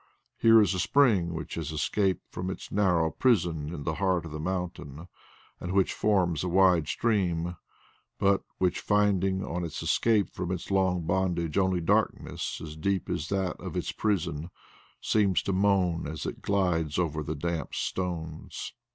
Here is a spring which has escaped from its narrow prison in the heart of the mountain and which forms a wide stream, but which, finding on its escape from its long bondage only darkness as deep as that of its prison, seems to moan as it glides over the damp stones.